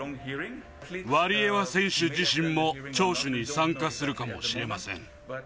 ワリエワ選手自身も聴取に参加するかもしれません。